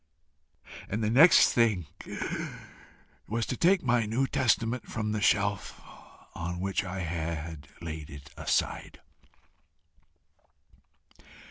and the next thing was to take my New Testament from the shelf on which I had laid it aside.